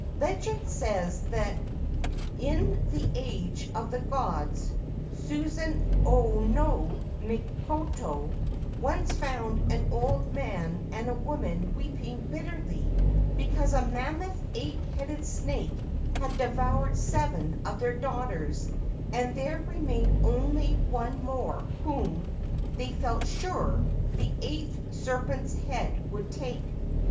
(Legend says that in the age of the gods Susanoo no Mikoto once found an old man and a woman weeping bitterly because a mammoth eight headed snake had devoured seven of their daughters, and there remained only one more, whom, they felt sure, the eighth serpent's head would take.